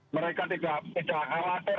mereka tidak halater